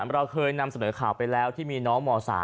เราเคยนำเสนอข่าวไปแล้วที่มีน้องม๓